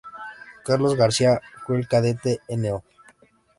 Carlos García fue el Cadete No.